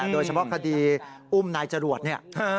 โดยเฉพาะคดีอุ้มนายจรวดเนี่ย